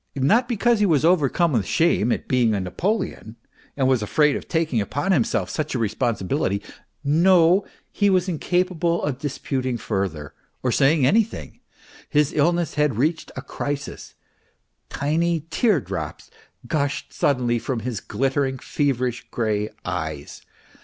Not because he was overcome with shame at being a Napoleon, and was afraid of taking upon himself such a responsibility no, he was incapable of disputing further, or saying anything. ... His illness had reached a crisis. Tiny teardrops gushed suddenly from his glittering, feverish, grey eyes.